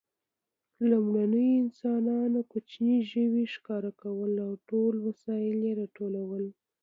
لومړنیو انسانانو کوچني ژوي ښکارول او ټول وسایل یې راټولول.